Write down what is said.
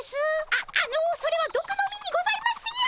あっあのそれはどくの実にございますよ。